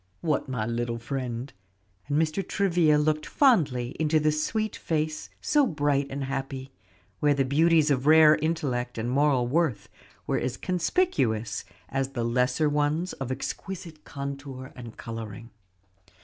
"What, my little friend?" and Mr. Travilla looked fondly into the sweet face so bright and happy, where the beauties of rare intellect and moral worth were as conspicuous as the lesser ones of exquisite contour and coloring.